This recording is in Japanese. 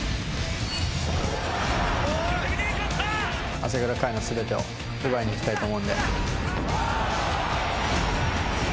朝倉海の全てを奪いにいきたいと思うので。